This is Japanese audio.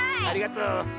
ありがとう。